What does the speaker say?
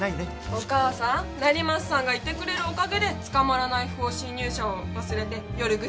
お母さん成増さんがいてくれるおかげで捕まらない不法侵入者を忘れて夜ぐっすり眠れるんじゃない。